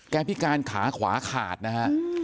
พิการขาขวาขาดนะฮะ